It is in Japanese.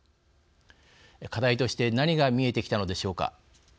課題として何が見えてきたのでしょうか。